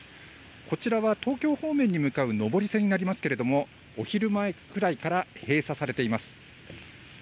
こちらは東京方面に向かう上り線になりますけれども、お昼前くらいから閉鎖されています。